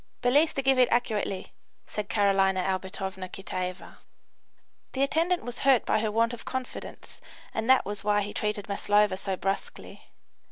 "Belease to giff it accurately," said Carolina Albertovna Kitaeva. The attendant was hurt by her want of confidence, and that was why he treated Maslova so brusquely.